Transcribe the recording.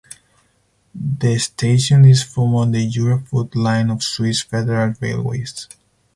The station is from on the Jura Foot line of Swiss Federal Railways.